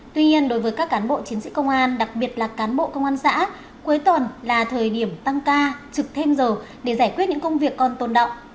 tuy nhiên đối với các cán bộ chiến sĩ công an đặc biệt là cán bộ công an xã cuối tuần là thời điểm tăng ca trực thêm giờ để giải quyết những công việc còn tồn động